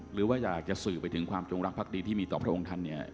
หรือว่าอยากจะสื่อไปถึงความจงรักภักดีที่มีต่อพระองค์ท่านเนี่ย